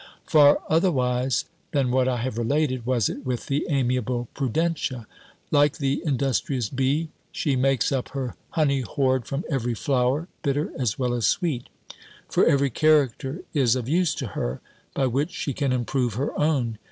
"Far otherwise than what I have related, was it with the amiable Prudentia. Like the industrious bee, she makes up her honey hoard from every flower, bitter as well as sweet; for every character is of use to her, by which she can improve her own.